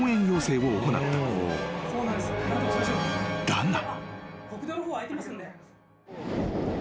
［だが］